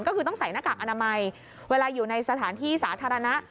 ก็คือต้องใส่หน้ากากอนามัยเวลาอยู่ในสถานที่สาธารณะ